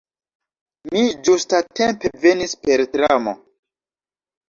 Mi ĝustatempe venis per tramo.